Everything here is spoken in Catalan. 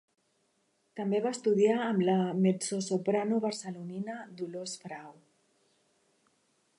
També va estudiar amb la mezzosoprano barcelonina Dolors Frau.